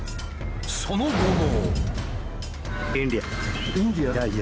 その後も。